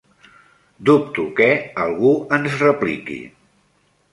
Dubto que algú ens repliqui.